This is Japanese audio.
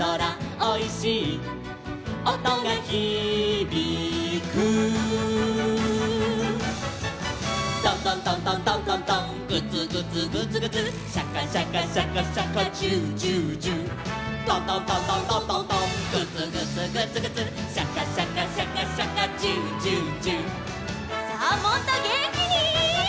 「おいしいおとがひびく」「トントントントントントントン」「グツグツグツグツシャカシャカシャカシャカ」「ジュージュージュー」「トントントントントントントン」「グツグツグツグツシャカシャカシャカシャカ」「ジュージュージュー」さあもっとげんきに！